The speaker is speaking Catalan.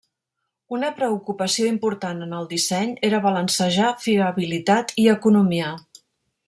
Una preocupació important en el disseny era balancejar fiabilitat i economia.